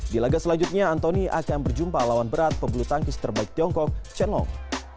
di laga selanjutnya antoni akan berjumpa lawan berat pebulu tangkis terbaik tiongkok chen long